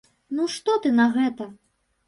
Ну, што ты на гэта?